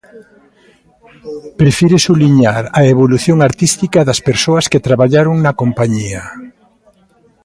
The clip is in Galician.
Prefire subliñar a evolución artística das persoas que traballaron na compañía.